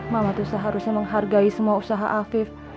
mama tuh seharusnya menghargai semua usaha afif